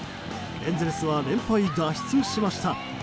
エンゼルスは連敗脱出しました。